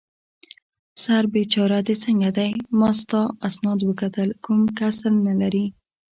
سر بېچاره دې څنګه دی؟ ما ستا اسناد وکتل، کوم کسر نه لرې.